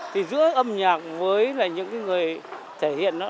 thì giữa âm nhạc với là những cái người thể hiện đó